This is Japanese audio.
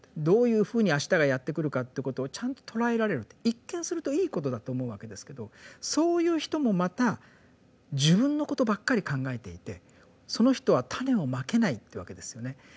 どういうふうにあしたがやって来るかということをちゃんと捉えられるって一見するといいことだと思うわけですけどそういう人もまた自分のことばっかり考えていてその人は種を蒔けないってわけですよね。